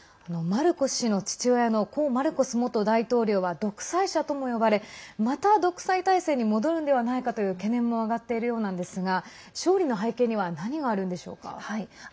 マルコス氏の父親の故マルコス元大統領は独裁者とも呼ばれまた独裁体制に戻るんではないかという懸念も上がっているようなんですが勝利の背景には何があるんでしょうか。